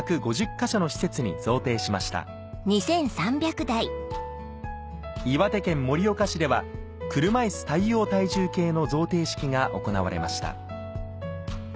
か所の施設に贈呈しました岩手県盛岡市では車いす対応体重計の贈呈式が行われました